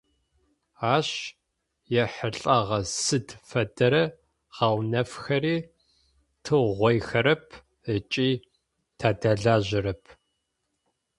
Ащ ехьылӏэгъэ сыд фэдэрэ гъэунэфхэри тыугъоихэрэп ыкӏи тадэлажьэрэп.